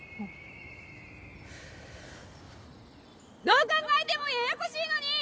どう考えてもややこしいのに